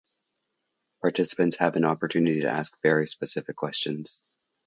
Participants have an opportunity to ask very specific questions.